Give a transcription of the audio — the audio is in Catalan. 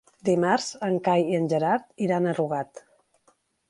Dimarts en Cai i en Gerard iran a Rugat.